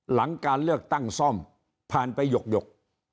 หลังการเลือกตั้งซ่อมผ่านไปหยก